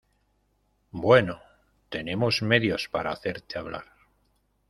Bueno, tenemos medios para hacerte hablar.